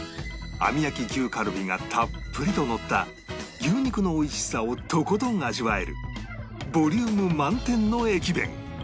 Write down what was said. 網焼き牛カルビがたっぷりとのった牛肉の美味しさをとことん味わえるボリューム満点の駅弁